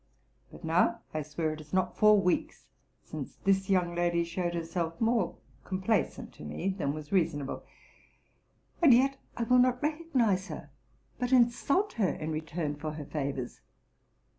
But now I swear it is not four weeks since this young lady showed herself more complaisant to me than was reasonable ; and yet I will not recognize her, but insult her in return for her favors!